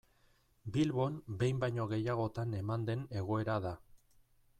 Bilbon behin baino gehiagotan eman den egoera da.